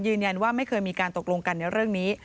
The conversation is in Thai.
ยืนยันว่าไม่เคยมีการตกลงกันในเรื่องนี้